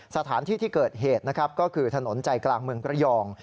สถานที่ที่เกิดเหตุนะครับก็คือถนนใจกลางเมืองระยอง